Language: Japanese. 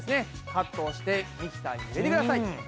カットしてミキサーに入れてください。